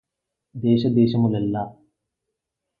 దేశదేశములెల్ల